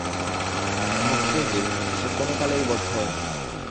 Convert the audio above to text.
মুক্ত যে, সে কোনকালেই বদ্ধ হয়নি।